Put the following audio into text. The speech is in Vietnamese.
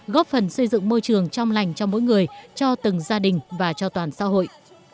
góp phần xây dựng môi trường trong lành cho mỗi người cho từng gia đình và cho toàn xã hội